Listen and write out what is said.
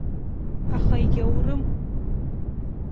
Аха егьаурым.